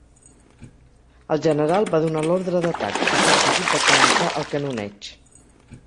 El general va donar l'ordre d'atac i tot seguit va començar el canoneig.